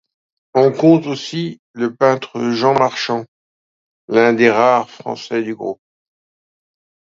On compte aussi le peintre Jean Marchand, l'un dès rares français du groupe.